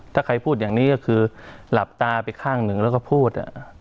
ถ้าใครพูดอย่างนี้ก็คือหลับตาไปข้างหนึ่งแล้วก็พูด